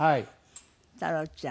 太郎ちゃん。